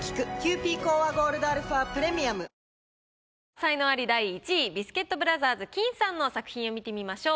才能アリ第１位ビスケットブラザーズきんさんの作品を見てみましょう。